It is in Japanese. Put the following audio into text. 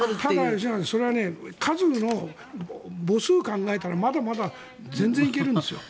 吉永さんそれは数の母数を考えたらまだまだ全然いけるんです。